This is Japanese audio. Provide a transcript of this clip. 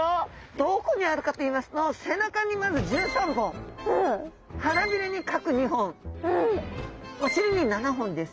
どこにあるかといいますと背中にまず１３本腹びれに各２本お臀に７本です。